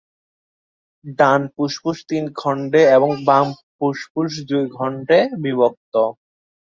ডান ফুসফুস তিন খণ্ডে এবং বাম ফুসফুস দুই খণ্ডে বিভক্ত।